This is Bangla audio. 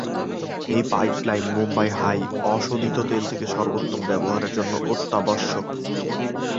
এই পাইপলাইন মুম্বাই হাই অশোধিত তেল থেকে সর্বোত্তম ব্যবহার জন্য অত্যাবশ্যক।